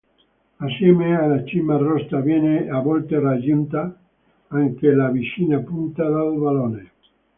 Assieme alla Cima Rosta viene a volte ragguinta anche la vicina Punta del Vallone.